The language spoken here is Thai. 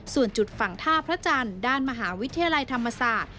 ส่วนจุดฝั่งท่าพระจันทร์ด้านมหาวิทยาลัยธรรมศาสตร์